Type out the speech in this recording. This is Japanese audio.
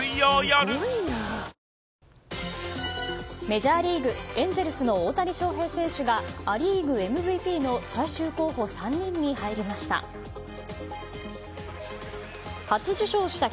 メジャーリーグエンゼルスの大谷翔平選手がア・リーグＭＶＰの最終候補３人に入りました。